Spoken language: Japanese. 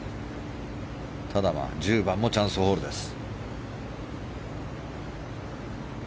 ただ、１０番もチャンスホールです。